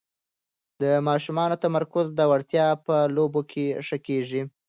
د ماشومانو د تمرکز وړتیا په لوبو کې ښه کېږي.